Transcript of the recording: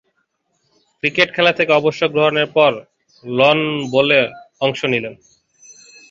Cricket খেলা থেকে অবসর গ্রহণের পর লন বোলে অংশ নিতেন।